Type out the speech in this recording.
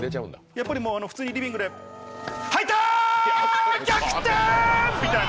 やっぱり、リビングで普通に入った！逆転！みたいな。